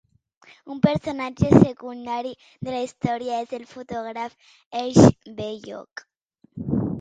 Un personatge secundari de la història és el fotògraf E. J. Bellocq.